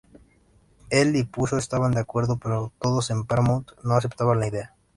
Él y Puzo estaban de acuerdo, pero todos en Paramount no aceptaban la idea.